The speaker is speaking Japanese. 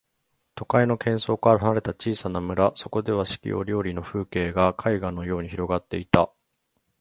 都会の喧騒から離れた小さな村、そこでは四季折々の風景が絵画のように広がっていた。